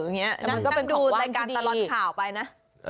นั่งดูรายการตลอดข่าวไปนะ